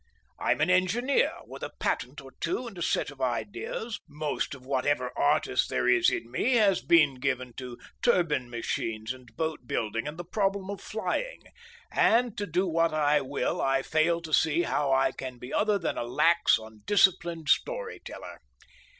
I'm an engineer with a patent or two and a set of ideas; most of whatever artist there is in me has been given to turbine machines and boat building and the problem of flying, and do what I will I fail to see how I can be other than a lax, undisciplined story teller.